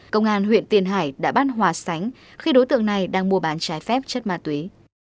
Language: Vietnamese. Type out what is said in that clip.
công an huyện tiền hải đã bắt hòa sánh khi đối tượng này đang mua bán trái phép chất ma túy